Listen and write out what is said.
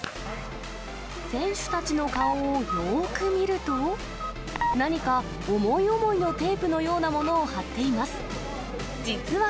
選手たちの顔をよーく見ると、何か思い思いのテープのようなものを貼っています。